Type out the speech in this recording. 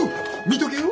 見とけよ。